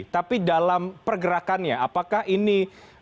tapi dalam pergerakannya apakah ini